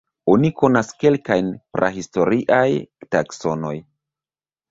Oni konas kelkajn prahistoriaj taksonoj.